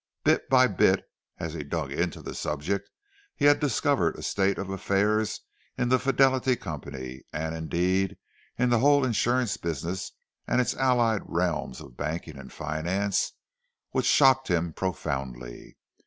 Bit by bit; as he dug into the subject, he had discovered a state of affairs in the Fidelity Company, and, indeed, in the whole insurance business and its allied realms of banking and finance, which shocked him profoundly.